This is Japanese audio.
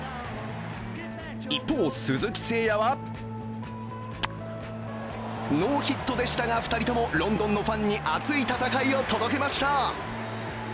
一方、鈴木誠也はノーヒットでしたが２人ともロンドンのファンに熱い戦いを届けました。